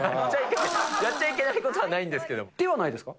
やっちゃいけないことはないではないですか？